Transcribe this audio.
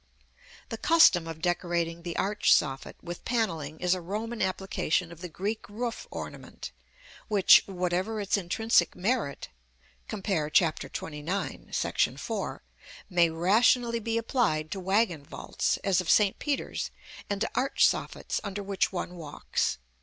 The custom of decorating the arch soffit with panelling is a Roman application of the Greek roof ornament, which, whatever its intrinsic merit (compare Chap. XXIX. § IV.), may rationally be applied to waggon vaults, as of St. Peter's, and to arch soffits under which one walks.